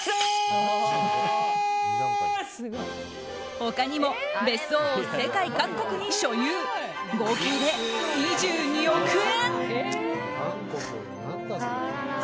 他にも別荘を世界各国に所有合計で２２億円。